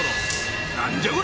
何じゃ？